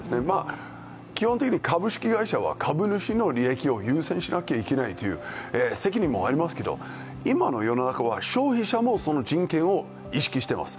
基本的に株式会社は株主の利益を優先しなければいけないという責任もありますけど、今の世の中は消費者もその人権を意識してます。